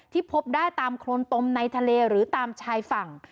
พบได้ตามโครนตมในทะเลหรือตามชายฝั่ง